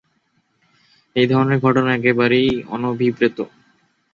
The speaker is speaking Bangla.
এ ধরনের ঘটনা একেবারেই অনভিপ্রেত।